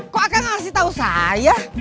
kok akan ngasih tahu saya